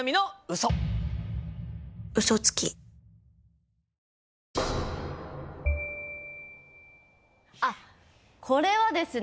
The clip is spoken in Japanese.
嘘つきあっこれはですね。